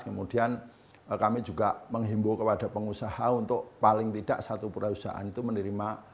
kemudian kami juga menghimbau kepada pengusaha untuk paling tidak satu perusahaan itu menerima